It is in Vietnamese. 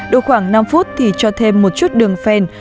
độ khoảng năm phút thì cho thêm một chút đường phèn